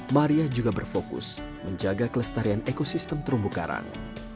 maria juga berfokus menjaga kelestarian ekosistem terumbu karang